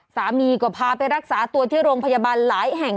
สามีก็พาไปรักษาตัวที่โรงพยาบาลหลายแห่ง